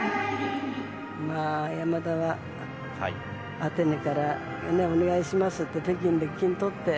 山田は、アテネからお願いしますと北京で金とって。